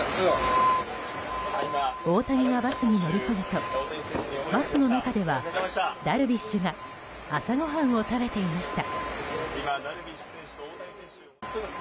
大谷がバスに乗り込むとバスの中ではダルビッシュが朝ごはんを食べていました。